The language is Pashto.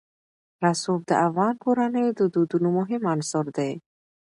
رسوب د افغان کورنیو د دودونو مهم عنصر دی.